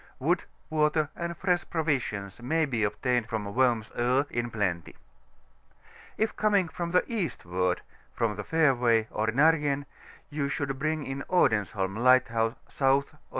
Wood, water, and fresh provisions may be obtained from Worms Oe in plenty. K coming from the eastward, from^ the fairway, or Nargen, you should bring Odens holm LightSouse South or S.